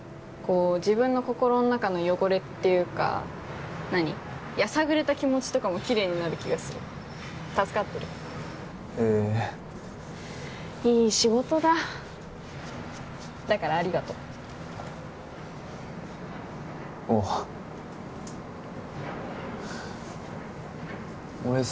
こう自分の心の中の汚れっていうか何やさぐれた気持ちとかもきれいになる気がする助かってるへえいい仕事だだからありがとおお